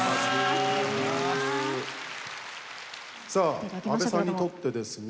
さあ阿部さんにとってですね